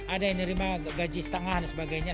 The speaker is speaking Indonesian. ada yang nerima gaji setengah dan sebagainya